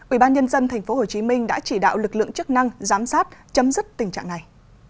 ubnd tp hcm đã chỉ đạo lực lượng chức năng giám sát chấm dứt tình trạng này